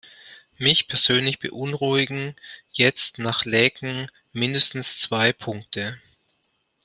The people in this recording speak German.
Mich persönlich beunruhigen jetzt nach Laeken mindestens zwei Punkte.